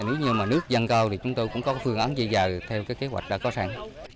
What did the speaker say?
nếu như nước dâng cao thì chúng tôi cũng có phương án dây dài theo kế hoạch đã có sẵn